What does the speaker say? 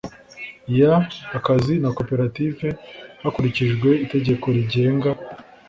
y akazi na koperative hakurikijwe itegeko rigenga